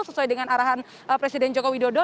sesuai dengan arahan presiden joko widodo